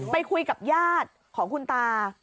ไปคุยกับญาติของคุณตา